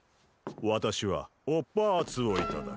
わたしはお・パーツをいただく！